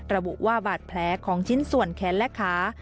ระบุว่าบาดแผลของชิ้นส่วนแขนและขา